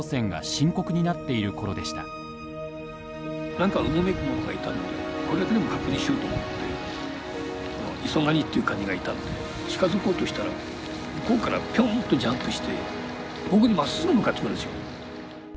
なんかうごめくものがいたのでこれだけでも確認しようと思ってイソガニっていうカニがいたので近づこうとしたら向こうからぴょんとジャンプして僕にまっすぐ向かってくるんですよ。